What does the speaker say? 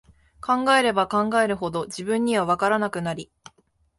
考えれば考えるほど、自分には、わからなくなり、